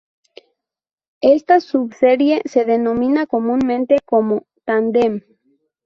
Esta subserie se denomina comúnmente como "tándem".